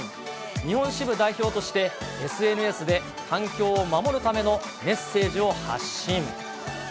日本支部代表として、ＳＮＳで環境を守るためのメッセージを発信。